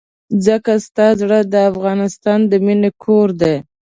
ځکه ستا زړه د افغانستان د مينې کور دی.